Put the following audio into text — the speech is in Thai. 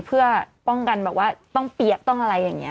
เพื่อป้องกันแบบว่าต้องเปียกต้องอะไรอย่างนี้